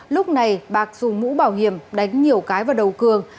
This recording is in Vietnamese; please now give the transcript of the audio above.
lúc này bạc dùng mũ bảo hiểm đánh nhiều cái vào đầu cường